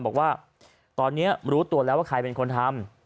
บอกว่าตอนนี้รู้ตัวแล้วว่าใครเป็นคนทำ